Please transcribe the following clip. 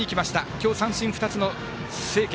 今日三振２つの清家。